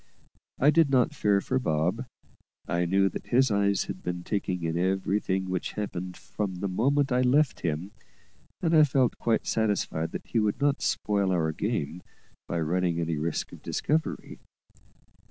I did not fear for Bob; I knew that his eyes had been taking in everything which happened from the moment I left him, and I felt quite satisfied that he would not spoil our game by running any risk of discovery.